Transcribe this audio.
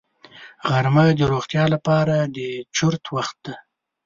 غرمه د روغتیا لپاره د چرت وخت دی